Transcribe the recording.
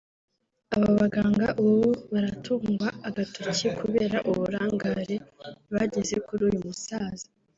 Aba baganga ubu baratungwa agatoki kubera uburangare bagize kuri uyu musaza